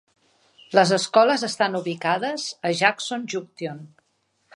Les escoles estan ubicades a Jackson Junction.